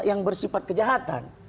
yang bersifat kejahatan